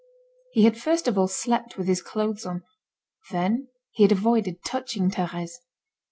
He had first of all slept with his clothes on, then he had avoided touching Thérèse.